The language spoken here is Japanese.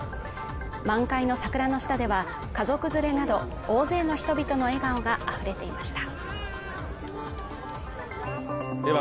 満開の桜の下では、家族連れなど大勢の人々の笑顔があふれていました。